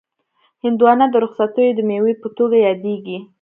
هندوانه د رخصتیو د مېوې په توګه یادیږي.